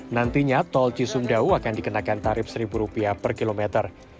nantinya tol cisumdawu akan dikenakan tarif rp satu per kilometer